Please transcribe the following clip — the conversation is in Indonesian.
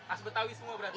as betawi semua berarti